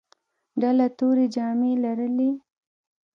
ډله تورې جامې لرلې.